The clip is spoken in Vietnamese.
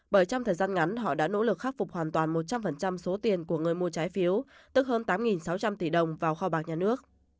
bởi trong thời gian ngắn họ đã nỗ lực khắc phục hoàn toàn một trăm linh số tiền của người mua trái phiếu tức hơn tám sáu trăm linh tỷ đồng vào kho bạc nhà nước